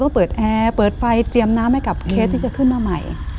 ก็เปิดแอร์เปิดไฟเตรียมน้ำให้กับเคสที่จะขึ้นมาใหม่